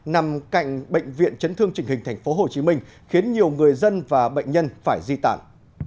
nằm cạnh bệnh viện chấn thương trình hình tp hcm khiến nhiều người dân và bệnh nhân phải di tản